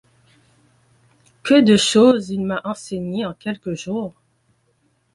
que de choses il m'a enseignées en quelques jours !